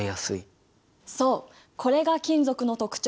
そうこれが金属の特徴